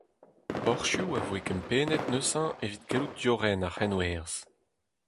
Porzhioù a voe kempennet neuze evit gallout diorren ar c'henwerzh.